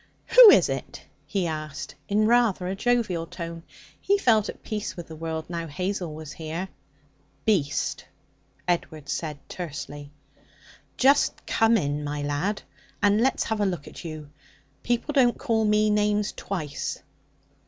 'Who is it?' he asked in rather a jovial tone. He felt at peace with the world now Hazel was here. 'Beast!' Edward said tersely. 'Just come in a minute, my lad, and let's have a look at you. People don't call me names twice.'